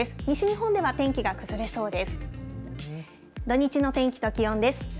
西日本では天気が崩れそうです。